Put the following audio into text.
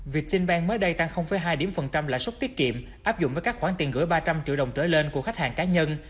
viettinbank mới đây tăng hai điểm phần trăm lãi suất tiết kiệm áp dụng với các khoản tiền gửi ba trăm linh triệu đồng trở lên của khách hàng cá nhân